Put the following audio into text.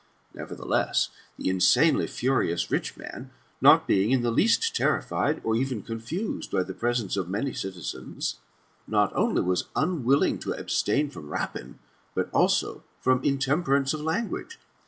Nevertheless, the insanely furious rich man, not being in the least terrified, or even confused, by the presence of many citizens, not only was unwilling to abstain from rapine, but also from intemperance of language.